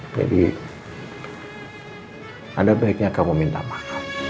jadi anda baiknya kamu minta maaf